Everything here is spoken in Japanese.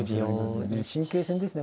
神経戦ですね